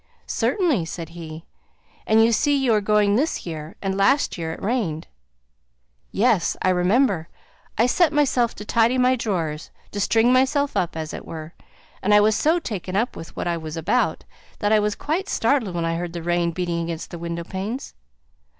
"Certainly," said he. "And you see you are going this year; and last year it rained." "Yes! I remember! I set myself to tidy my drawers, to string myself up, as it were; and I was so taken up with what I was about that I was quite startled when I heard the rain beating against the window panes.